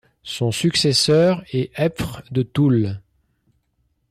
Son successeur est Epvre de Toul.